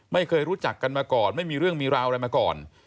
ไม่เคยรู้จักกันมาก่อนไม่มีเรื่องมีราวอะไรมาก่อน